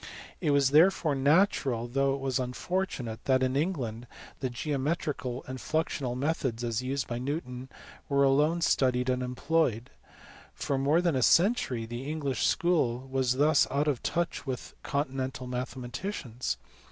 It was therefore natural though it was unfortunate that in England the geometrical and fluxional methods as used by Newton were alone studied and employed. For more than a century the English school was thus out of touch with continental mathematicians.